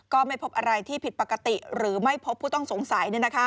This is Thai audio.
ก็ไม่พบอะไรที่ผิดปกติหรือไม่พบผู้ต้องสงสัย